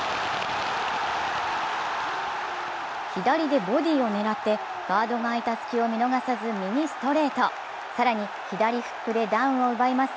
左でボディーを狙ってガードが空いた隙を見逃さず右ストレート、更に左フックでダウンを奪います。